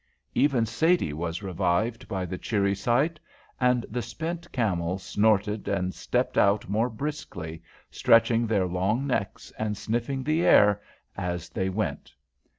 Even Sadie was revived by the cheery sight, and the spent camels snorted and stepped out more briskly, stretching their long necks and sniffing the air as they went.